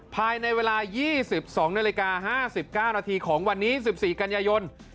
ภายในเวลา๒๒นาฬิกา๕๙นาทีของวันนี้๑๔กันยายน